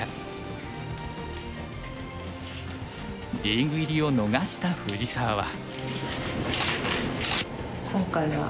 リーグ入りを逃した藤沢は。